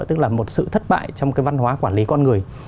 tức là một sự thất bại trong cái văn hóa quản lý con người